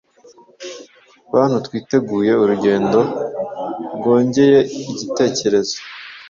bantutwiteguye urugendo Byongeyeigitekerezo